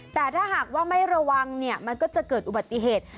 แต่ถ้าหากว่าไม่ระวังเนี่ยมันก็จะเกิดอุบัติเหตุ